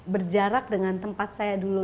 berjarak dengan tempat saya dulu